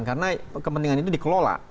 karena kepentingan itu dikelola